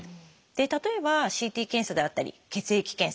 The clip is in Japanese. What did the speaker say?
例えばＣＴ検査であったり血液検査